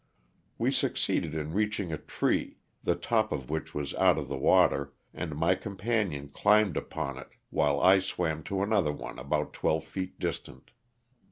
We suc ceeded in reaching a tree, the top of which was out of the water, and my companion climbed upon it while I swam to another one about twelve feet distant.